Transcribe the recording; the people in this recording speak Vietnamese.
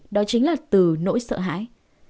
đó chính là từ nỗi sợ hãi